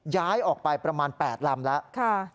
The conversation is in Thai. ย้ายออกไปประมาณ๘ลำแล้ว